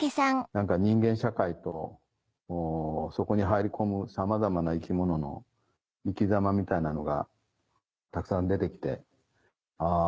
何か人間社会とそこに入り込むさまざまな生き物の生きざまみたいなのがたくさん出て来てあぁ